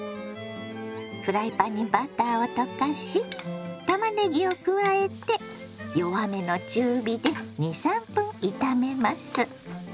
フライパンにバターを溶かしたまねぎを加えて弱めの中火で２３分炒めます。